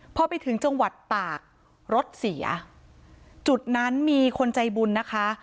พอไปถึงจังหวัดตากรถเสียจุดนั้นมีคนใจบุญนะคะ